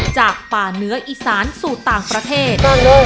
จากป่าเนื้ออีสานสู่ต่างประเทศ